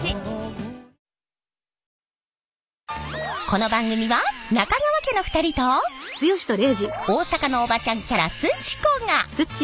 この番組は中川家の２人と大阪のおばちゃんキャラすち子が